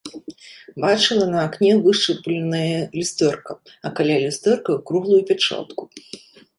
Бачыла на акне вышчарбленае люстэрка, а каля люстэрка круглую пячатку.